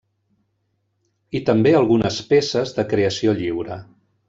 I també algunes peces de creació lliure.